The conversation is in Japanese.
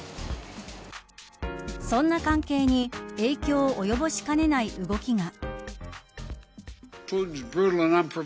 そんな関係に影響を及ぼしかねない動きが。